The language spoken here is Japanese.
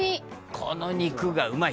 「この肉がうまい！」